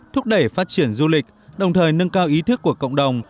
thúc đẩy phát triển du lịch đồng thời nâng cao ý thức của cộng đồng